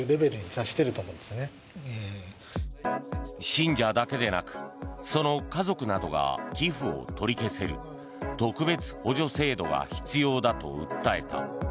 信者だけでなくその家族などが寄付を取り消せる特別補助制度が必要だと訴えた。